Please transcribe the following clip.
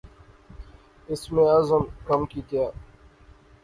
اسم اعظم کم کیتیا